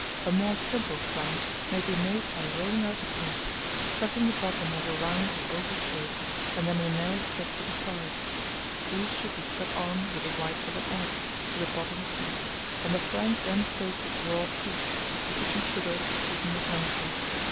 A MORE SIMPLE FLANC may be made by rolling out the paste, cutting the bottom of a round or oval shape, and then a narrow strip for the sides: these should be stuck on with the white of an egg, to the bottom piece, and the flanc then filled with raw fruit, with sufficient sugar to sweeten it nicely.